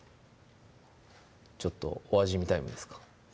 ちょっとお味見タイムですか？